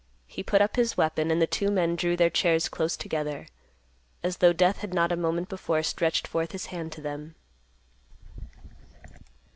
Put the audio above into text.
He put up his weapon, and the two men drew their chairs close together, as though Death had not a moment before stretched forth his hand to them.